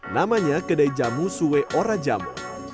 namanya kedai jamu suwe ora jamu